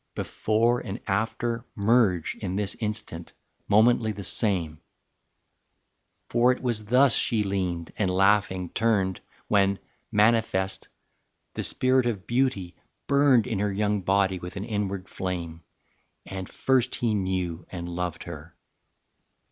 Before and after Merge in this instant, momently the same: For it was thus she leaned and laughing turned When, manifest, the spirit of beauty burned In her young body with an inward flame, And first he knew and loved her.